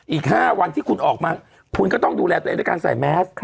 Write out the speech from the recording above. อีก๕วันที่คุณออกมาคุณก็ต้องดูแลตัวเองด้วยการใส่แมส